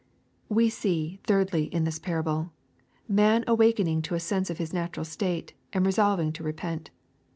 We see, thirdly, in this parable, man awaking to a sense of his natural state , and resolving to repent.